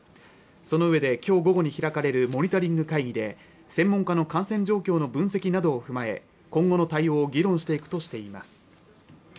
そのうえで今日午後に開かれるモニタリング会議で専門家の感染状況の分析などを踏まえ今後の対応を議論していくとしています